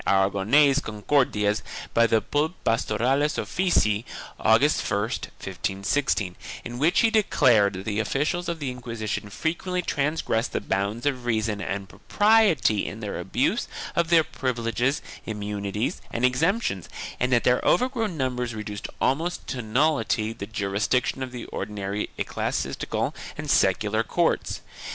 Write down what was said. V] FURTHER DEMANDS 275 Catalan and Aragonese Concordias by the bull Pastoralis officii, August 1, 1516, in which he declared that the officials of the Inquisition frequently transgressed the bounds of reason and propriety in their abuse of their privileges, immunities and exemptions and that their overgrown numbers reduced almost to nullity the jurisdiction of the ordinary ecclesiastical and secular courts.